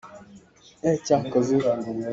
Ihnak ka ngei lo.